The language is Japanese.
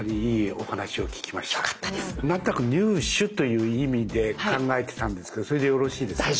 何となく入手という意味で考えてたんですけどそれでよろしいですか？